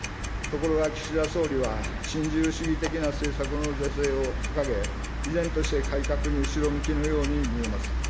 ところが岸田総理は、新自由主義的な政策の是正を掲げ、依然として改革に後ろ向きのように見えます。